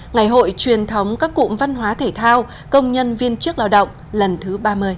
ngày hội truyền thống các cụm văn hóa thể thao công nhân viên chức lao động lần thứ ba mươi